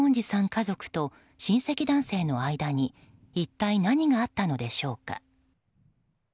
家族と親戚男性の間に一体何があったのでしょうか。